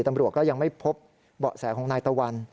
ตำรวจก็ยังไม่พบเบาะแสของนายตะวัน